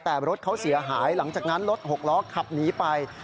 แต่รถเขาเสียหายหลังจากนั้นรถหกล้อขับหนีไป